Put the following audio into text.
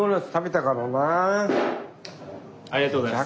ありがとうございます。